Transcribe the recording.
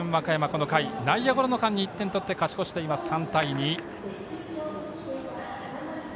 この回、内野ゴロの間に１点を取って勝ち越しています、３対２。